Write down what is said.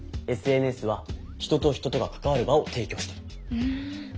ＳＮＳは人と人とが関わる場を提供している。